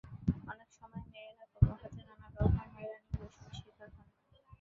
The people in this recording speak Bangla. অনেক সময় মেয়েরা কর্মক্ষেত্রে নানা রকম হয়রানি ও বৈষম্যের শিকার হন।